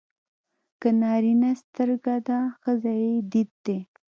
که نارینه سترګه ده ښځه يې دید دی.